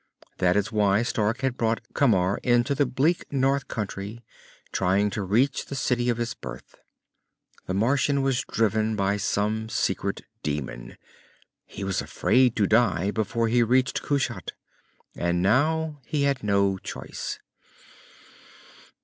That was why Stark had brought Camar into the bleak north country, trying to reach the city of his birth. The Martian was driven by some secret demon. He was afraid to die before he reached Kushat. And now he had no choice.